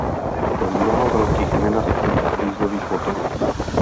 Pro mnoho velkých nenasytných dieselových motorů.